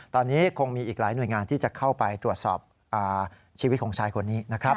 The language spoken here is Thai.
ตอนนี้คงมีอีกหลายหน่วยงานที่จะเข้าไปตรวจสอบชีวิตของชายคนนี้นะครับ